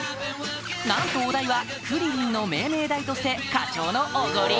なんとお代はクリリンの命名代として課長のおごり！